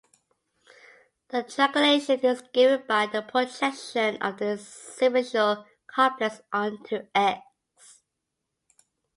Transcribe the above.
The triangulation is given by the projection of this simplicial complex onto "X".